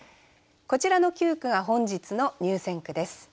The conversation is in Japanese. こちらの九句が本日の入選句です。